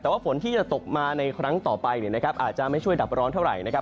แต่ว่าฝนที่จะตกมาในครั้งต่อไปเนี่ยนะครับอาจจะไม่ช่วยดับร้อนเท่าไหร่นะครับ